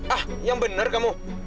ah yang bener kamu